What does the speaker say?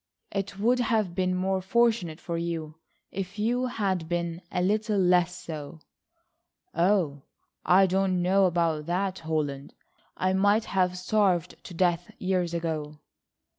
"It would have been more fortunate for you if you had been a little less so." "Oh, I don't know about that, Holland. I might have starved to death years ago."